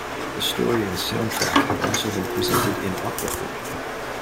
The story and soundtrack have also been presented in opera form.